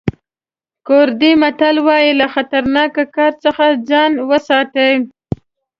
کوردي متل وایي له خطرناکه کار څخه ځان وساتئ.